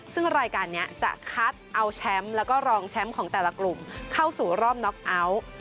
ซึ่งรายการนี้จะคัดเอาแชมป์แล้วก็รองแชมป์ของแต่ละกลุ่มเข้าสู่รอบน็อกเอาท์